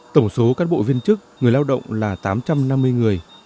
tổng số cán bộ viên chức người lao động là tám trăm năm mươi người